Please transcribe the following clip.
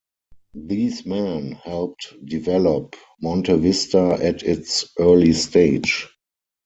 These men helped develop Montevista at its early stage.